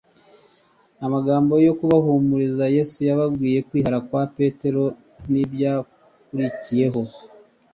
amagambo yo kubahumuriza Yesu yababwiye, kwihara kwa Petero n'ibyakurikiyeho,